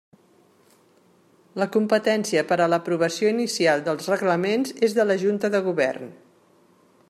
La competència per a l'aprovació inicial dels reglaments és de la Junta de Govern.